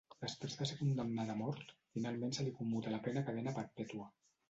Després de ser condemnada a mort, finalment se li commuta la pena a cadena perpètua.